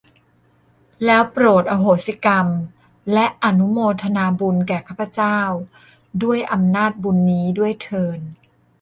แล้วโปรดอโหสิกรรม และอนุโมทนาบุญแก่ข้าพเจ้าด้วยอำนาจบุญนี้ด้วยเทอญ